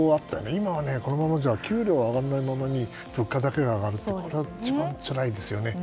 今は、このまま給料が上がらないまま物価だけが上がるというのは一番つらいですよね。